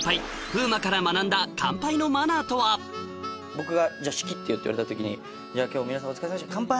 僕が「じゃあ仕切ってよ」って言われた時に「今日も皆さんお疲れさまでした乾杯！」